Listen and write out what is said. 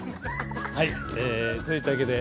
はい！といったわけで。